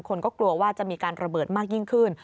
คนก็กลัวว่าจะมีการระเบิดมากยิ่งขึ้น